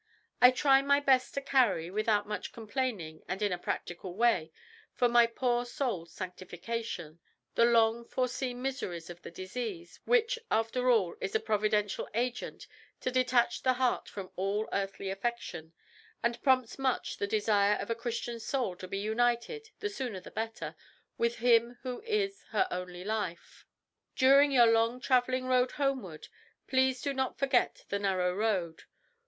I try my best to carry, without much complaining and in a practical way, for my poor soul's sanctification, the long foreseen miseries of the disease, which, after all, is a providential agent to detach the heart from all earthly affection, and prompts much the desire of a Christian soul to be united the sooner the better with Him who is her only life. "During your long travelling road homeward please do not forget the narrow road.